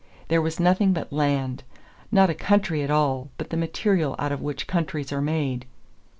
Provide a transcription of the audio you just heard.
There was nothing but land: not a country at all, but the material out of which countries are made.